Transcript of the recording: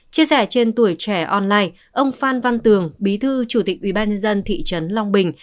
chia sẻ trên tuổi trẻ online ông phan văn tường bí thư chủ tịch ubnd thị trấn long bình